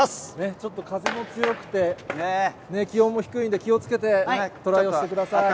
ちょっと風も強くて、気温も低いんで気をつけてトライをしてください。